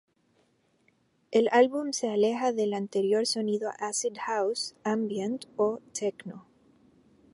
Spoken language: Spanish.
El álbum se aleja del anterior sonido acid house, ambient o techno.